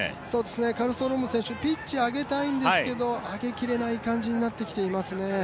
カルストローム選手ピッチを上げたいんですけど上げきれない感じになっています。